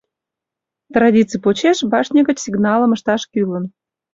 Традиций почеш башне гыч сигналым ышташ кӱлын.